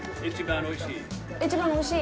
一番おいしい。